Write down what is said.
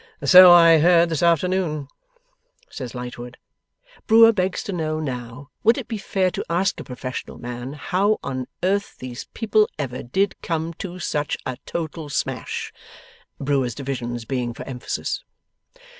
'So I heard this afternoon,' says Lightwood. Brewer begs to know now, would it be fair to ask a professional man how on earth these people ever did come TO such A total smash? (Brewer's divisions being for emphasis.)